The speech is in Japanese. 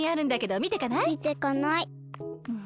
みてかない。